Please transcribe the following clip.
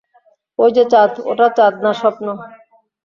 ঐ যে চাঁদ, ওটা চাঁদ না, স্বপ্ন।